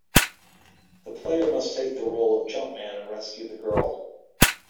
The player must take the role of Jumpman and rescue the girl.